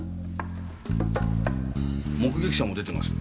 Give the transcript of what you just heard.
目撃者も出ています。